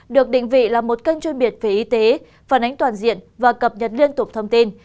được định vị là một kênh chuyên biệt về y tế phản ánh toàn diện và cập nhật liên tục thông tin